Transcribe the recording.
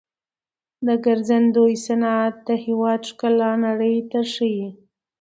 د ګرځندوی صنعت د هیواد ښکلا نړۍ ته ښيي.